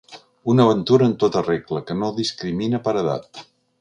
Una aventura en tota regla que no discrimina per edat.